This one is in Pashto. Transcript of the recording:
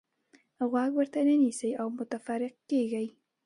غوږ ورته نه نیسئ او متفرق کېږئ.